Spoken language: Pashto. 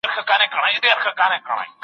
ایا ته د قلمي نسخو په ساتلو کي مرسته کوې؟